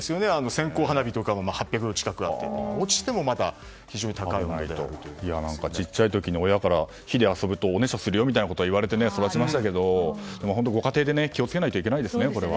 線香花火とかも８００度近くあって小さい時に親から火で遊ぶとおねしょするよみたいなことを言われて育ちましたけどでも本当にご家庭で気をつけなきゃいけないですね。